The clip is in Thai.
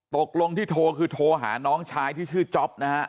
ตกลงที่โทรคือโทรหาน้องชายที่ชื่อจ๊อปนะฮะ